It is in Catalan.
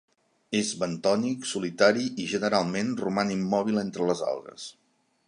És bentònic, solitari i, generalment, roman immòbil entre les algues.